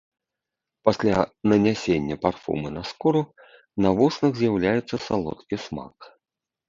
Пасля нанясення парфумы на скуру, на вуснах з'яўляецца салодкі смак.